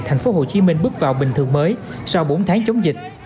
thành phố hồ chí minh bước vào bình thường mới sau bốn tháng chống dịch